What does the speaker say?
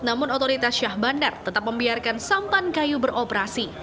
namun otoritas syah bandar tetap membiarkan sampan kayu beroperasi